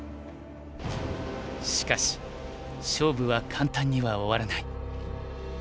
しかし勝負は簡単には終わらない。